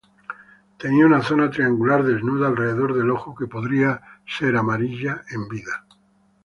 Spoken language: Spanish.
Tenía una zona triangular desnuda alrededor del ojo que podría ser amarilla en vida.